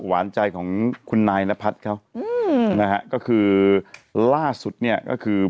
หวานใจของคุณนายนพัฒน์เขาอืมนะฮะก็คือล่าสุดเนี่ยก็คือ